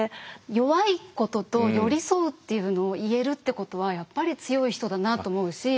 弱いことと寄り添うっていうのを言えるってことはやっぱり強い人だなと思うし